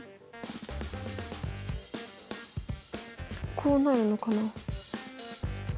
こうなるのかな？